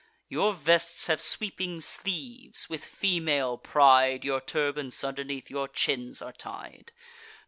Your vests have sweeping sleeves; with female pride Your turbans underneath your chins are tied.